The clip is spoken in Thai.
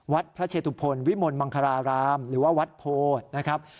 วัดพระเชตุพลวิมลมังคารารามหรือว่าวัดโพนะครับ